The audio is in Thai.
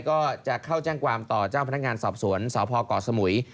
ก็จะเข้าแจ้งความต่อเจ้าพนักงานสอบสวนสพเกาะสมุย